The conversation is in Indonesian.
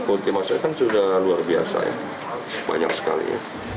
ya kondisi masyarakat sudah luar biasa banyak sekali